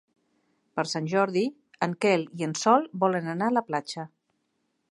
Per Sant Jordi en Quel i en Sol volen anar a la platja.